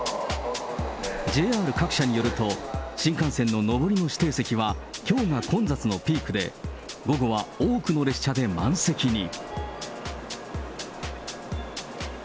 ＪＲ各社によると、新幹線の上りの指定席は、きょうが混雑のピークで、午後は多くの列車で満席に。